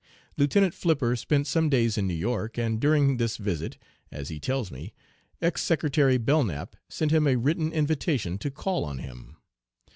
Lieutenant Flipper spent some days in New York, and during this visit, as he tells me, ex Secretary Belknap sent him a written invitation to call on him.